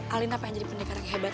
alina pengen jadi pendekar yang hebat